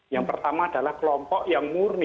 yang pertama adalah kelompok yang murni